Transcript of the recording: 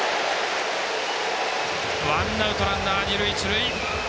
ワンアウト、ランナー、二塁一塁。